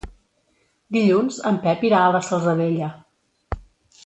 Dilluns en Pep irà a la Salzadella.